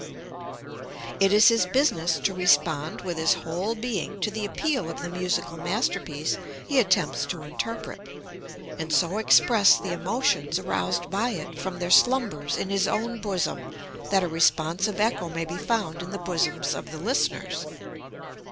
It is his business to respond with his whole being to the appeal of the musical masterpiece he attempts to interpret, and so express the emotions aroused by it from their slumbers in his own bosom that a responsive echo may be found in the bosoms of the listeners.